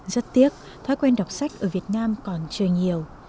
rất tiếc thói quen đọc sách ở việt nam còn chưa nhiều